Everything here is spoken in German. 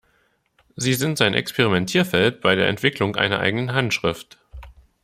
Sie sind sein Experimentierfeld bei der Entwicklung einer eigenen Handschrift.